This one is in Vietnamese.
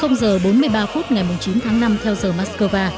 giờ bốn mươi ba phút ngày chín tháng năm theo giờ moscow